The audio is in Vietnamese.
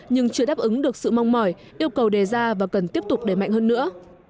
nhưng chưa đáp ứng được sự mong mỏi yêu cầu đề ra và cần tiếp tục đẩy mạnh hơn nữa